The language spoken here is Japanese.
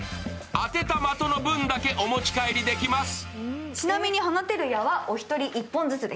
当てた的の分だけお持ち帰りできます。